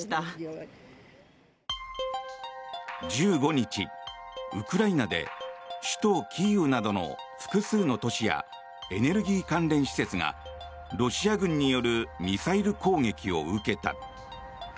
１５日、ウクライナで首都キーウなどの複数の都市やエネルギー関連施設がロシア軍によるミサイル攻撃を受けた。